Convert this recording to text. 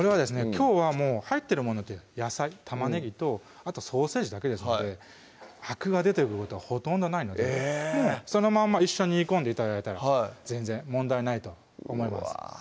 きょうは入ってるものって野菜玉ねぎとあとソーセージだけですのでアクが出てくることはほとんどないのでそのまま一緒に煮込んで頂いたら全然問題ないと思います